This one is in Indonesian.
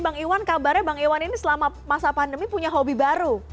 bang iwan kabarnya bang iwan ini selama masa pandemi punya hobi baru